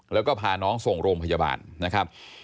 แล้วก็พาน้องส่งโรงพยาบาลนะครับ